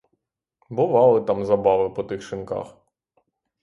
Бували там забави по тих шинках!